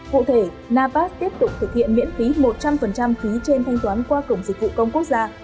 cụ thể napas tiếp tục thực hiện miễn phí một trăm linh phí trên thanh toán qua cổng dịch vụ công quốc gia